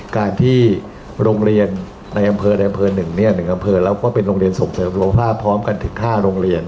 การที่โรงเรียนในอำเภอในอำเภอ๑อำเภอแล้วก็เป็นโรงเรียนส่งเสริมสุขภาพพร้อมกันถึง๕โรงเรียน